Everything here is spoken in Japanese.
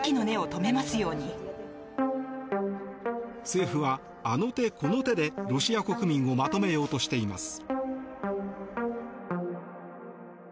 政府は、あの手この手でロシア国民をまとめようとしています。